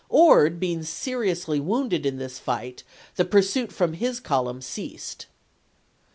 Ord being seriously wounded in this fight, the pur suit from his column ceased.